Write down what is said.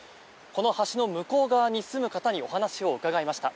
この橋の向こう側に住む方にお話を伺いました。